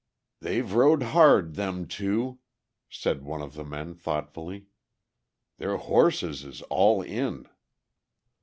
"They've rode hard, them two," said one of the men thoughtfully. "Their horses is all in."